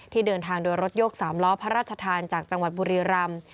เดินทางโดยรถยก๓ล้อพระราชทานจากจังหวัดบุรีรำ